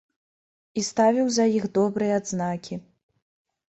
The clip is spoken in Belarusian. І ставіў за іх добрыя адзнакі.